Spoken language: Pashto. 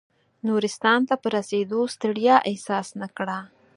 نورستان ته په رسېدو ستړیا احساس نه کړه.